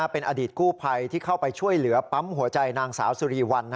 เป็นอดีตกู้ภัยที่เข้าไปช่วยเหลือปั๊มหัวใจนางสาวสุรีวัน